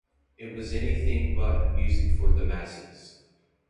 It was anything but music for the masses!